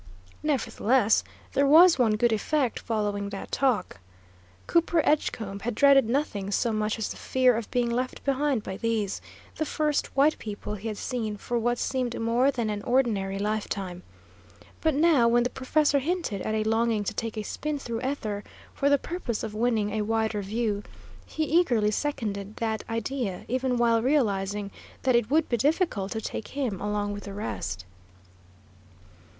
Nevertheless, there was one good effect following that talk. Cooper Edgecombe had dreaded nothing so much as the fear of being left behind by these, the first white people he had seen for what seemed more than an ordinary lifetime; but now, when the professor hinted at a longing to take a spin through ether, for the purpose of winning a wider view, he eagerly seconded that idea, even while realising that it would be difficult to take him along with the rest.